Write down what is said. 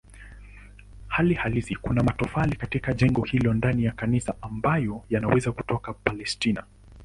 Hali halisi kuna matofali katika jengo hilo ndani ya kanisa ambayo yanaweza kutoka Palestina.